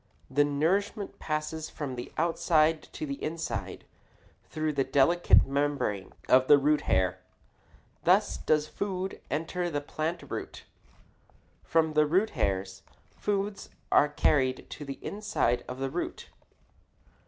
The nourishment passes from the outside to the inside through the delicate membrane of the root hair. Thus does food enter the plant root. From the root hairs, foods are carried to the inside of the root.